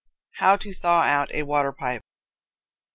How to Thaw Out a Water Pipe.